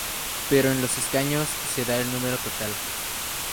Pero en los escaños se da el número total.